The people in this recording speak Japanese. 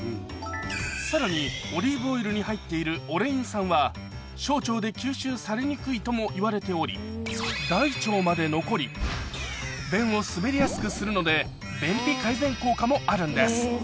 さらにオリーブオイルに入っているオレイン酸は小腸で吸収されにくいともいわれており大腸まで残り便を滑りやすくするので便秘改善効果もあるんです